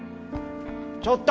ちょっと！